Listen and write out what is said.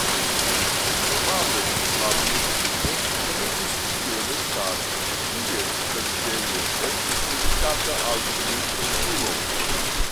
Probable la municipo nomiĝis tiele ĉar ties preĝejo estis dediĉata al tiu sanktulo.